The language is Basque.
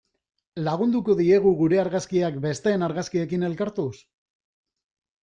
Lagunduko diegu gure argazkiak besteen argazkiekin elkartuz?